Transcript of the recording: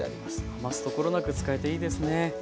余すところなく使えていいですね。